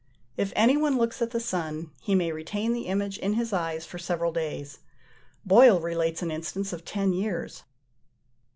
If any one looks at the sun, he may retain the image in his eyes for several days. Boyle relates an instance of ten years.